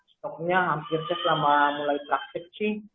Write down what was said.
stoknya hampir selama mulai teraksepsi